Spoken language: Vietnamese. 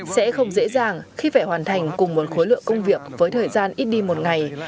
sẽ không dễ dàng khi phải hoàn thành cùng một khối lượng công việc với thời gian ít đi một ngày